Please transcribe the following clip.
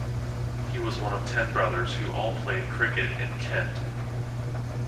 He was one of ten brothers who all played cricket in Kent.